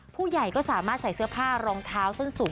ผู้ใหญ่ก็สามารถใส่เสื้อผ้ารองเท้าส้นสูง